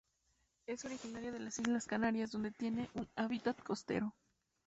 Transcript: Es originaria de las Islas Canarias, donde tiene un hábitat costero.